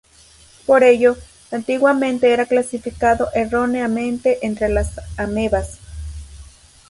Por ello, antiguamente era clasificado erróneamente entre las amebas.